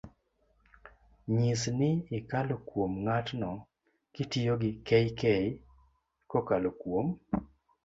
nyis ni ikalo kuom ng'atno kitiyo gi kk-kokalo kuom,